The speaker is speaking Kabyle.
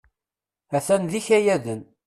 A-t-an d ikayaden.